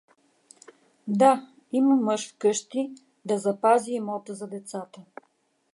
Да има мъж вкъщи, да запази имота за децата.